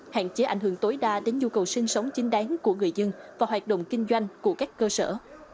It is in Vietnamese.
hạn chế ảnh hưởng tối đa đến nhu cầu sinh sống chính đáng của người dân và hoạt động kinh doanh của các cơ sở